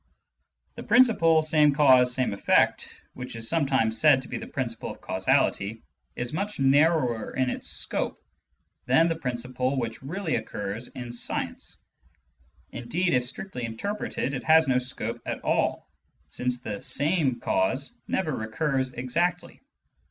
The principle, " same cause, same eflFect," which is some times said to be the principle of causality, is much narrower in its scope than the principle which really occurs in science ; indeed, if strictly interpreted, it has no scope at all, since the "same" cause never recurs Dig>[ized by Google ON THE NOTION OF CAUSE 215 exacdy.